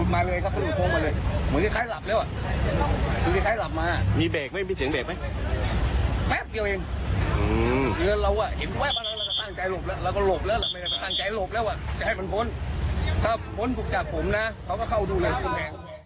มีเสียงเบรกไหม